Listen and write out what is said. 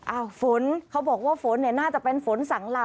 อ้าวฝนเขาบอกว่าฝนน่าจะเป็นฝนสังลา